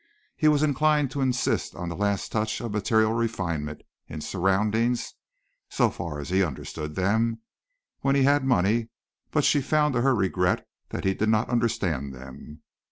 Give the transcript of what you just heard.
He was inclined to insist on the last touch of material refinement in surroundings (so far as he understood them) when he had money, but she found to her regret that he did not understand them.